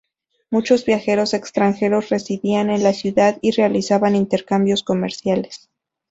Muchos viajeros extranjeros residían en la ciudad y realizaban intercambios comerciales.